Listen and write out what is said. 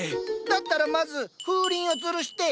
だったらまず風鈴をつるして。